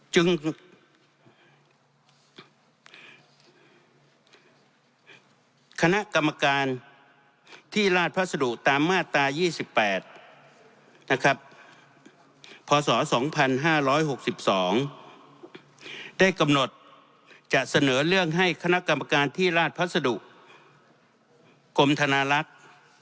จึงคณะกรรมการที่ราชพัสดุตามมาตรา๒๘นะครับพศ๒๕๖๒ได้กำหนดจะเสนอเรื่องให้คณะกรรมการที่ราชพัสดุกรมธนาลักษณ์